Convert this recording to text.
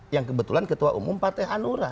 yang kebetulan ketua umum partai hanura